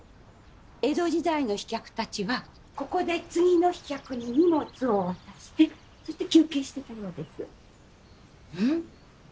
江戸時代の飛脚たちはここで次の飛脚に荷物を渡してそして休憩してたようです。